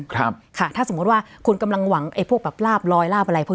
ครับค่ะถ้าสมมุติว่าคุณกำลังหวังไอ้พวกแบบลาบลอยลาบอะไรพวก